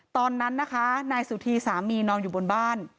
ตอนนั้นนะคะนายสุธีสามีนอนอยู่บนบ้าน